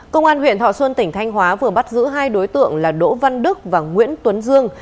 công an huyện thọ xuân tỉnh thanh hóa vừa bắt giữ hai đối tượng là đỗ văn đức và nguyễn tuấn dương